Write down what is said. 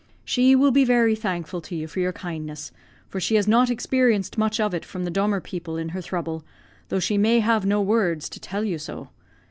She will be very thankful to you for your kindness, for she has not experienced much of it from the Dummer people in her throuble, though she may have no words to tell you so.